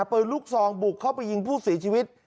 ปืนลูกซองบุกเข้าไปยิงผู้เสียชีวิต